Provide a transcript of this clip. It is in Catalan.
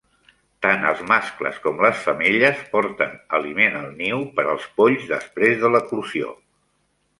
Tant els mascles com les femelles porten aliment al niu per als polls després de l'eclosió.